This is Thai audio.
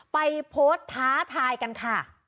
ไปโพสต์ท้าทายกันค่ะ